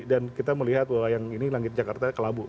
dan kita melihat bahwa yang ini langit jakarta kelabu